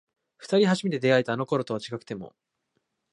二人初めて出会えたあの頃とは違くても